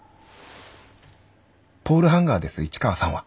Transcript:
ポールハンガーです市川さんは。